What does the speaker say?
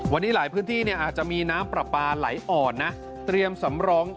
วันนี้หลายพื้นที่อาจจะมีน้ำปราปาไหลอ่อนนะ